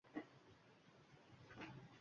“Bir yoqlarni men qaydan bilay?